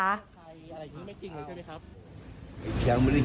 ไม่ถามเดี๋ยว